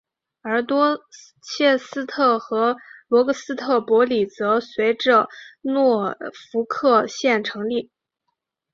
而多切斯特和罗克斯伯里则随着诺福克县成立。